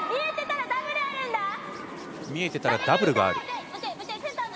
見えてたらダブルがある。